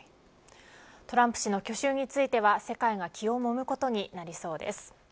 トランプ氏の去就については世界が気をもむことになりそうです。